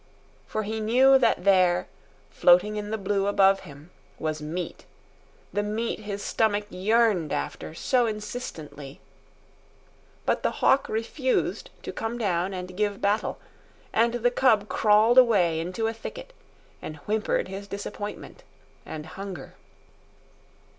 For he knew that there, floating in the blue above him, was meat, the meat his stomach yearned after so insistently. But the hawk refused to come down and give battle, and the cub crawled away into a thicket and whimpered his disappointment and hunger.